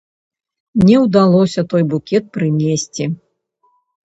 Не ўдалося той букет прынесці.